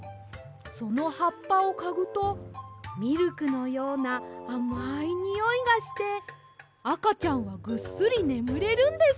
そのはっぱをかぐとミルクのようなあまいにおいがしてあかちゃんがぐっすりねむれるんです！